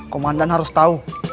komandan harus tahu